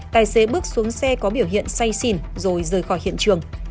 tài xế bước xuống xe có biểu hiện say xỉn rồi rời khỏi hiện trường